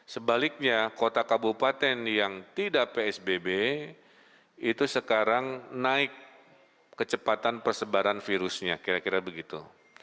sebaliknya kota kabupaten yang tidak psbb itu sekarang naik kecepatan persebaran virusnya kira kira begitu